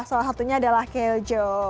salah satunya adalah keljo